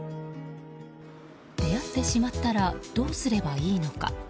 出会ってしまったらどうすればいいのか。